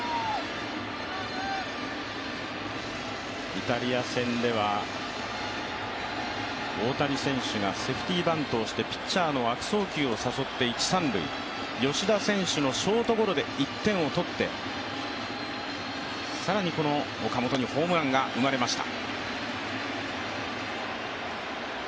イタリア戦では大谷選手がセーフティバントをしてピッチャーの悪送球を誘って一・三塁吉田選手のショートゴロで１点を取って更にこの岡本にホームランが生まれました。